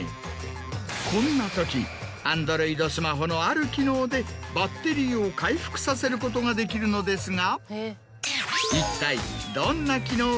こんなときアンドロイドスマホのある機能でバッテリーを回復させることができるのですが。